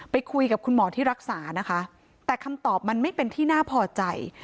ไปคุยกับคุณหมอที่รักษานะคะแต่คำตอบมันไม่เป็นที่น่าพอใจ